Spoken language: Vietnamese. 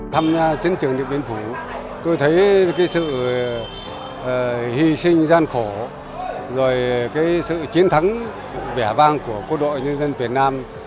tham gia chiến trường điện biên phủ tôi thấy cái sự hy sinh gian khổ rồi cái sự chiến thắng vẻ vang của quân đội nhân dân việt nam